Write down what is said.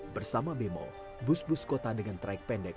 bersama bemo bus bus kota dengan traik pendek